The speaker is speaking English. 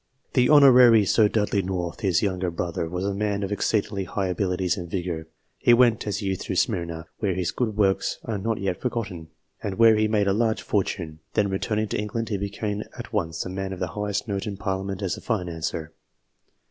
'*' The Hon. Sir Dudley North, his younger brother, was a man of exceedingly high abilities and vigour. He went as a youth to Smyrna, where his good works are not yet forgotten, and where he made a large fortune ; then, returning to England, he became at once a man of the highest note in Parliament as a financier.